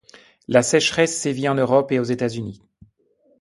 La sécheresse sévit en Europe et aux États-Unis.